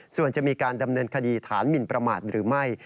ส่วนจะมีการดำเนินคดีฐานหมินประมาทหรือไม่